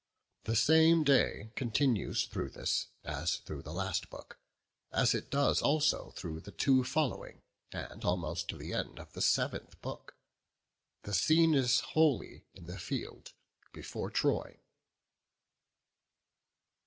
The same day continues through this, as through the last book; as it does also through the two following, and almost to the end of the seventh book. The scene is wholly in the field before Troy.